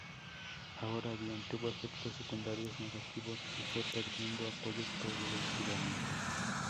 Ahora bien, tuvo efectos secundarios negativos, y fue perdiendo apoyos progresivamente.